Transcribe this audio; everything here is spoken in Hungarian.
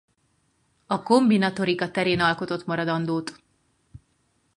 A kombinatorika terén alkotott maradandót.